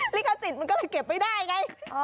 ลิขสิทธิ์มันก็เลยเก็บไว้ได้ไง